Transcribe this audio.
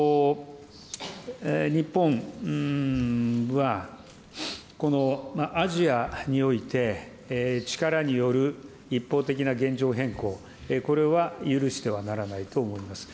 日本は、このアジアにおいて、力による一方的な現状変更、これは許してはならないと思います。